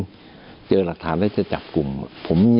ขั้นตอนถึงเจอรักฐานแล้วจะจับกลุ่ม